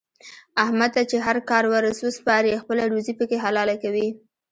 احمد ته چې هر کار ور وسپارې خپله روزي پکې حلاله کوي.